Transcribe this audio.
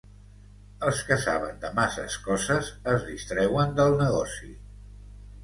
Els que saben de masses coses es distreuen del negoci